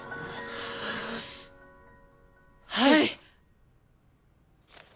はい！